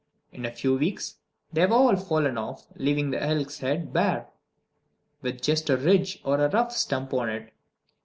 In a few weeks they have all fallen off, leaving the elk's head bare, with just a ridge or rough stump on it.